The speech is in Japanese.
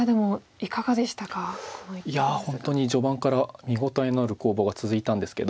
いや本当に序盤から見応えのある攻防が続いたんですけど。